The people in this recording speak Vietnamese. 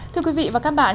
thưa quý vị và các bạn